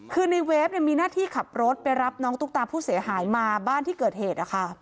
คือในเวฟมีหน้าที่ขับรถไปรับน้องตุ๊กตาผู้เสียหายมาบ้านที่เกิดเหตุ